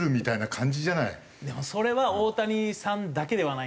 でもそれは大谷さんだけではないんですよね。